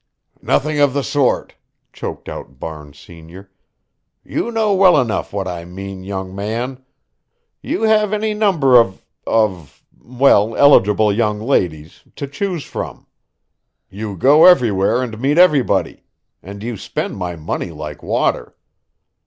"Nothing of the sort," choked out Barnes senior. "You know well enough what I mean, young man. You have any number of of well, eligible young ladies, to choose from. You go everywhere and meet everybody. And you spend my money like water."